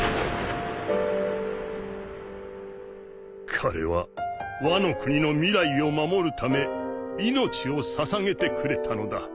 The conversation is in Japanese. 彼はワノ国の未来を守るため命を捧げてくれたのだ。